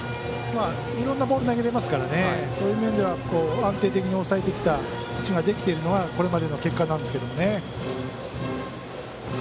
いろんなボール投げられますからそういう面では安定的に抑えてきたピッチングができているのはこれまでの結果なんですけどね。